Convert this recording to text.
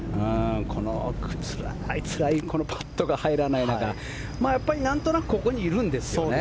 この、つらいつらいパットが入らない中やっぱり、なんとなくここにいるんですよね。